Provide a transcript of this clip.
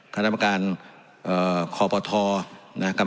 คันธรรมการคพนะครับ